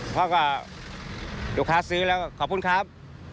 เพราะว่าดูข้าซื้อแล้วขอบคุณครับ